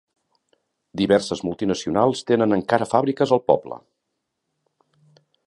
Diverses multinacionals tenen encara fàbriques al poble.